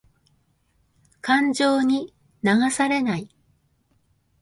感情に流されない。